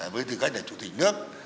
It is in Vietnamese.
với tư cách là chủ tịch nước